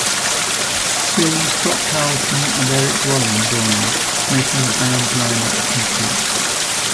Soon Scott Carlson and Erik Wallin joined, making the band's lineup complete.